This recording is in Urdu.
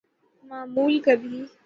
معمول کبھی ‘‘۔